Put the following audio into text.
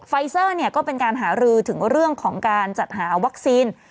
เซอร์ก็เป็นการหารือถึงเรื่องของการจัดหาวัคซีน